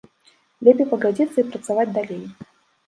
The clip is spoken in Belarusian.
Лепей пагадзіцца і працаваць далей.